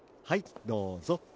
はいどうぞ。